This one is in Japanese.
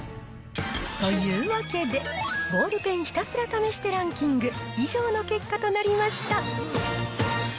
というわけで、ボールペンひたすら試してランキング、以上の結果となりました。